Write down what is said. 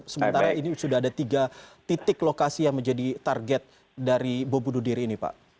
sementara ini sudah ada tiga titik lokasi yang menjadi target dari bom bunuh diri ini pak